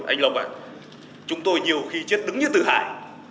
anh lộc ạ chúng tôi nhiều khi chết đứng như tử hải